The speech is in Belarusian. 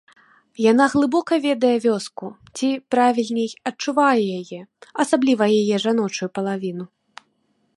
Яна глыбока ведае вёску ці, правільней, адчувае яе, асабліва яе жаночую палавіну.